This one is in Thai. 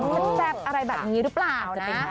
มันจะแบบอะไรแบบนี้หรือเปล่านะ